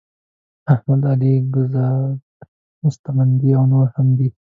احمد علی کهزاد مستمندي او نور هم دي.